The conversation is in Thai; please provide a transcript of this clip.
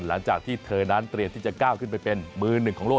หลังจากที่เธอนั้นเตรียมที่จะก้าวขึ้นไปเป็นมือหนึ่งของโลก